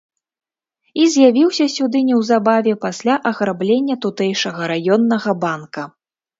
І з'явіўся сюды неўзабаве пасля аграблення тутэйшага раённага банка.